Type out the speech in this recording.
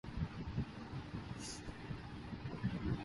بگاڑ یکدم پیدا نہیں ہوا۔